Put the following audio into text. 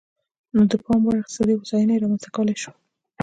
نو د پاموړ اقتصادي هوساینه یې رامنځته کولای شوه.